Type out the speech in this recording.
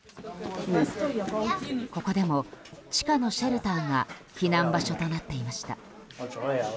ここでも、地下のシェルターが避難場所となっていました。